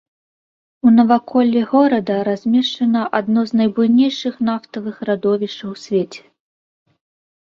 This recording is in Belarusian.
У наваколлі горада размешчана адно з найбуйнейшых нафтавых радовішчаў у свеце.